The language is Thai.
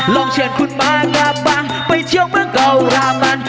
ลองเชิญคุณมากับบ้านไปเที่ยวเมืองเกาหลามัน